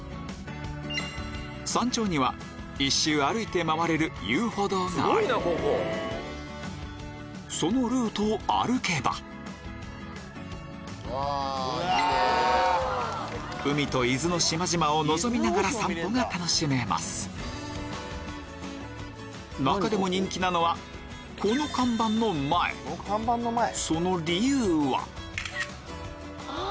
山頂には１周歩いて回れる遊歩道がありそのルートを歩けば海と伊豆の島々を望みながら散歩が楽しめます中でもその理由は？